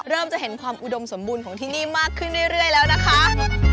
จะเห็นความอุดมสมบูรณ์ของที่นี่มากขึ้นเรื่อยแล้วนะคะ